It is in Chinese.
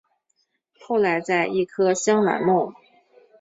后来在一棵香兰木。